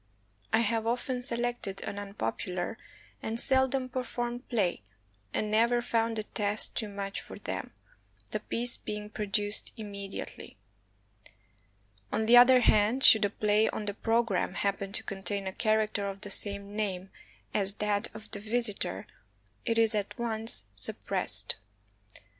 I have often selected an unpopular and seldom performed play, and never found the test too much for them, the piece being produced immedi ately; on the other hand, should a play on the pro gramme happen to contain a character of the same name as that of the visitor, it is at once suppressed.